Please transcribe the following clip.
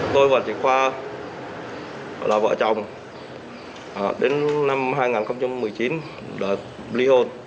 tôi và trịnh khoa là vợ chồng đến năm hai nghìn một mươi chín đợt ly hôn